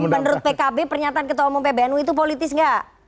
jadi menurut pkb pernyataan ketua umum pbnu itu politis gak